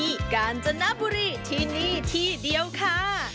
มาที่นี่กาญจนบุรีที่นี่ที่เดียวค่ะ